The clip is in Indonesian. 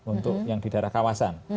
untuk yang di daerah kawasan